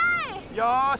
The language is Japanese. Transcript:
よし！